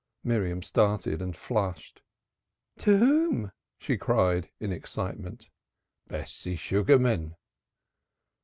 Miriam started and flushed. "To whom?" she cried, in excitement. "Bessie Sugarman."